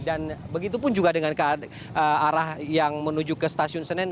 dan begitu pun juga dengan arah yang menuju ke stasiun senen